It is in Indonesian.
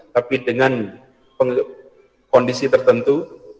tapi dengan kondisi tertentu